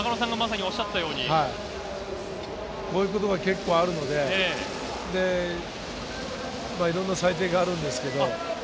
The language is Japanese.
こういうことが結構あるのでいろんな採点があるんですけれど。